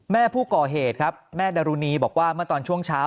แม่ผู้ก่อเหตุครับแม่ดารุณีบอกว่าเมื่อตอนช่วงเช้า